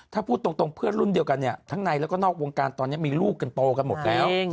ถ้าพูดตรงเพื่อนรุ่นเดียวกันเนี่ยทั้งในแล้วก็นอกวงการตอนนี้มีลูกกันโตกันหมดแล้ว